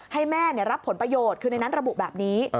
ให้แม่รับผลประโยชน์คือในนั้นระบุแบบนี้